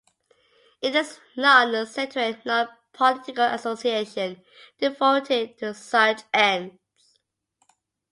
It is a non-sectarian, non-political association devoted to such ends.